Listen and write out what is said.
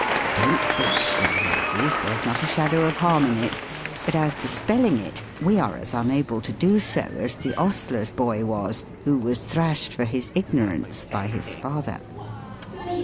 Don't blush, young ladies; there's not a shadow of harm in it : but as to spelling it, we are as unable to do so as the ostler's boy was, who v/as thrashed for his ignorance by his fatiier.